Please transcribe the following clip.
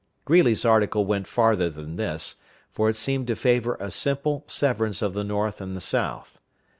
Greeley's article went farther than this, for it seemed to favor a simple severance of the North and the South.